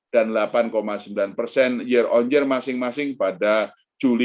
dan delapan sembilan year on year masing masing pada juli dua ribu dua puluh satu